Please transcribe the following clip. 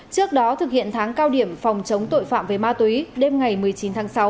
trước đó thực hiện tháng cao điểm phòng chống tội phạm về ma túy đêm ngày một mươi chín tháng sáu